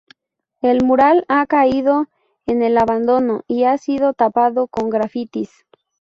El mural ha caído en el abandono y ha sido tapado con grafitis.